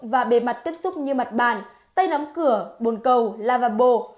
và bề mặt tiếp xúc như mặt bàn tay nắm cửa bồn cầu lavabo